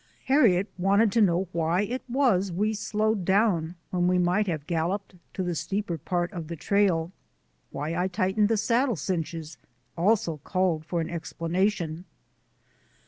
Harriet wanted to know why it was we slowed HARRIET— LITTLE MOUNTAIN CLIMBER 231 down when we might have galloped to the steeper part of the trail. Why I tightened the saddle cinches also called for an explanation.